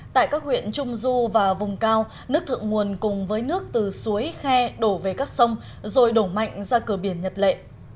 tại các huyện trung du và vùng cao nước thượng nguồn cùng với nước từ suối khe đổ về các sông rồi đổ mạnh ra cửa biển nhật lệ